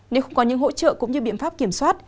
nếu không có những hỗ trợ cũng như biện pháp kiểm soát